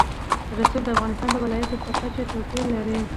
رسوب د افغانستان د ولایاتو په کچه توپیر لري.